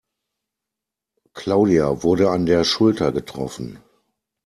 Claudia wurde an der Schulter getroffen.